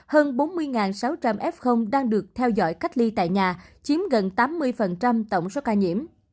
hơn bốn mươi sáu trăm linh f đang được theo dõi cách ly tại nhà chiếm gần tám mươi tổng số ca nhiễm